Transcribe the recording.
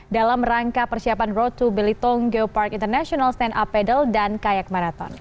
dalam rangka persiapan road to belitong geopark international stand up pedal dan kayak marathon